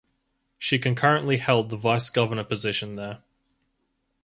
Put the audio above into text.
She concurrently held the vice governor position there.